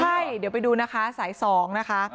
ใช่เดี๋ยวไปดูนะคะสาย๒นะคะ